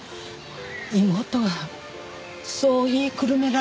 妹はそう言いくるめられたんです。